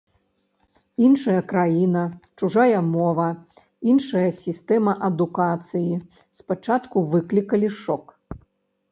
Іншая краіна, чужая мова, іншая сістэма адукацыі спачатку выклікалі шок.